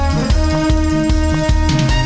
สวัสดีครับ